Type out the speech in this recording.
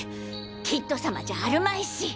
キッド様じゃあるまいし。